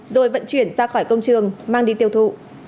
rồi vận chuyển ra khỏi công trường mang đi tiêu thụ